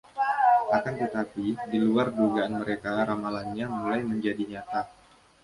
Akan tetapi, di luar dugaan mereka, ramalannya mulai menjadi nyata.